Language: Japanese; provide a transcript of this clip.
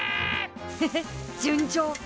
フフ順調！